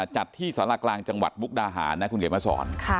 จัดที่สารกลางจังหวัดมุกดาหารนะคุณเขียนมาสอน